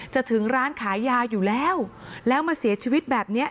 ถึงร้านขายยาอยู่แล้วแล้วมาเสียชีวิตแบบเนี้ย